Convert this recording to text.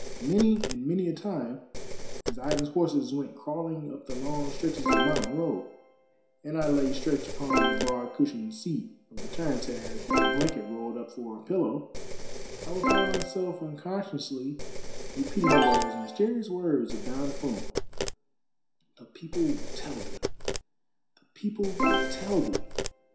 jMany and many a time as Ivan's horses went crawling up the long stretches of mountain road and I lay stretched upon the broad cushioned seat of the tarantass with a blanket rolled up for a pillow, I would find myself uncon scioush' repeating those mysterious words of Don Fum: —" The people will tell thee ! The people will tell thee